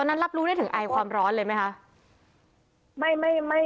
นั้นรับรู้ได้ถึงไอความร้อนเลยไหมคะ